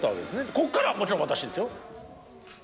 ここからもちろん私ですよ。